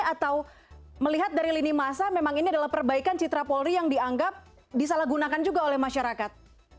atau melihat dari lini masa memang ini adalah perbaikan citra polri yang dianggap disalahgunakan juga oleh masyarakat